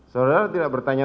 saudara tidak bertanya